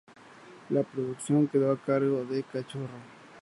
La producción quedó a cargo de Cachorro.